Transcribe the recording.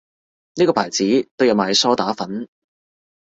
呢個牌子都有賣梳打粉